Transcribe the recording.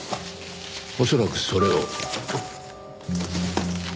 恐らくそれを。